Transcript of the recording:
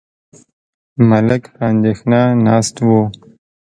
ملک په اندېښنه ناست و.